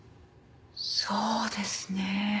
そうですね。